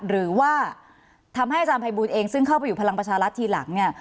หรือว่าทำให้อาจารย์ภัยบูลเองซึ่งเข้าไปอยู่พลังประชารัฐทีหลังเนี่ย